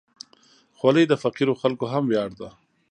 خولۍ د فقیرو خلکو هم ویاړ ده.